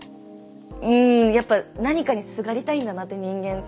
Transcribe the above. うんやっぱ何かにすがりたいんだなって人間って。